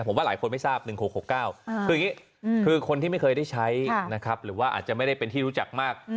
ผมว่าหลายคนไม่ทราบ๑๖๖๙คืออย่างนี้คือคนที่ไม่เคยได้ใช้นะครับหรือว่าอาจจะไม่ได้เป็นที่รู้จักมาก